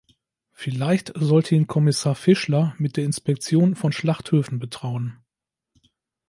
Vielleicht sollte ihn Kommissar Fischler mit der Inspektion von Schlachthöfen betrauen.